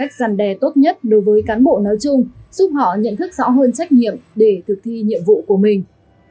cách răn đe tốt nhất đối với cán bộ nói chung giúp họ nhận thức rõ hơn trách nhiệm để thực thi nhiệm vụ của mình